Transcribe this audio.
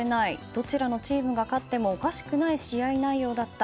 どちらのチームが勝ってもおかしくない試合内容だった。